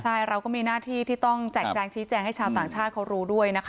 ใช่เราก็มีหน้าที่ที่ต้องแจกแจงชี้แจงให้ชาวต่างชาติเขารู้ด้วยนะคะ